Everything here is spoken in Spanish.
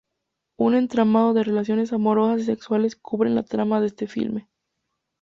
Un entramado de relaciones amorosas y sexuales cubren la trama de este filme.